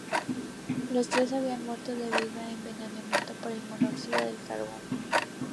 Los tres había muerto debido a envenenamiento por el monóxido del carbono.